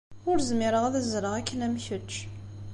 Ur zmireɣ ad azzleɣ akken am kečč.